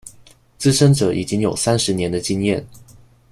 資深者已有三十年的經驗